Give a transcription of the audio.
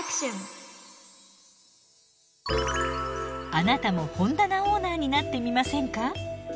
あなたも本棚オーナーになってみませんか？